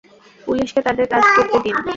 পুলিশকে তাদের কাজ করতে দিন।